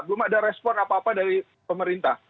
belum ada respon apa apa dari pemerintah